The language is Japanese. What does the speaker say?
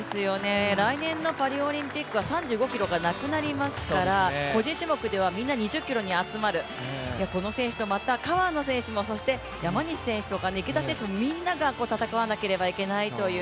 来年のパリオリンピックは３５ｋｍがなくなりますから個人種目ではみんな２０ｋｍに集まるこの選手とまた川野選手も山西選手とか池田選手もみんなが戦わなければいけないという。